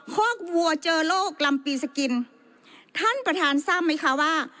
คอกวัวเจอโรคลำปีสกินท่านประธานทราบไหมคะว่า